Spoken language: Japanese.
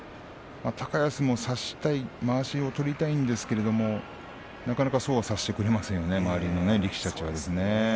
高安も差したいまわしを取りたいんですがなかなかそうはさせてくれませんよね。